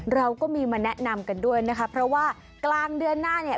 เราก็มีมาแนะนำกันด้วยนะคะเพราะว่ากลางเดือนหน้าเนี่ย